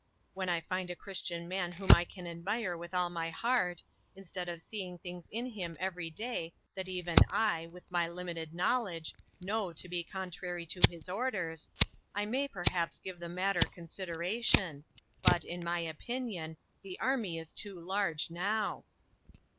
When I find a Christian man whom I can admire with all my heart instead of seeing things in him every day that even I, with my limited knowledge, know to be con trary to his orders I may perhaps give the matter consideration, but, in my opinion, the army is too large now."